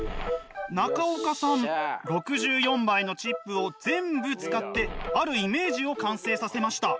中岡さん６４枚のチップを全部使ってあるイメージを完成させました。